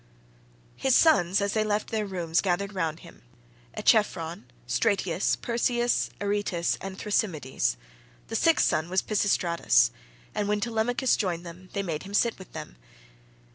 His sons as they left their rooms gathered round him, Echephron, Stratius, Perseus, Aretus, and Thrasymedes; the sixth son was Pisistratus, and when Telemachus joined them they made him sit with them.